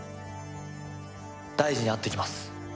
大二に会ってきます。